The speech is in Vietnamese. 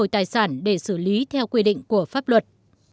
giản để xử lý theo quy định của pháp luật